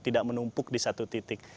tidak menumpuk di satu titik